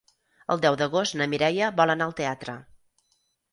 El deu d'agost na Mireia vol anar al teatre.